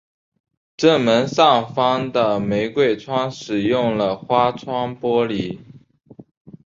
正门上方的玫瑰窗使用了花窗玻璃。